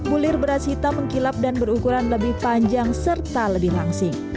bulir beras hitam mengkilap dan berukuran lebih panjang serta lebih langsing